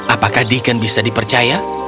apakah deacon bisa dipercaya